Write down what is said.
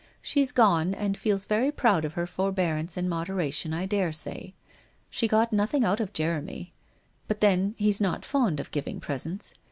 She's gone, and feels very proud of her forbearance and moderation, I daresay. She got nothing out of Jeremy; but then he's not fond of giving presents.